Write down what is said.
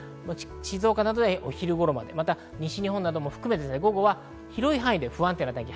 静岡などではお昼頃まで、西日本なども含めて、午後は広い範囲で不安定な天気。